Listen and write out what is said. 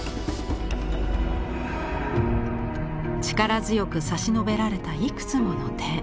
力強く差し伸べられたいくつもの手。